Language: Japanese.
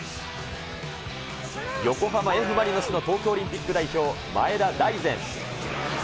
横浜Ｆ・マリノスの東京オリンピック代表、前田大然。